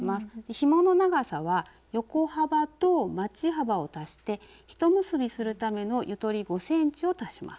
ひもの長さは横幅とまち幅を足して一結びするためのゆとり５ｃｍを足します。